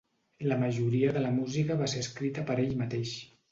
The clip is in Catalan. La majoria de la música va ser escrita per ell mateix.